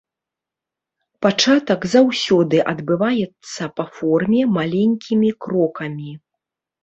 Пачатак заўсёды адбываецца па форме, маленькімі крокамі.